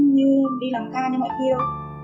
các anh cũng như đi làm ca như mọi người kêu